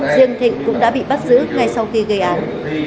riêng thịnh cũng đã bị bắt giữ ngay sau khi gây án